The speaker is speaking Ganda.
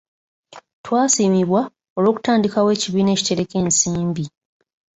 Twasiimibwa olw'okutandikawo ekibiina ekitereka ensimbi.